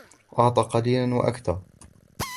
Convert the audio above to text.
وَأَعْطَى قَلِيلًا وَأَكْدَى